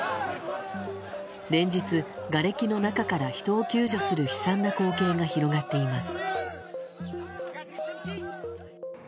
連日、がれきの中から人を救助する悲惨な光景が広がっています。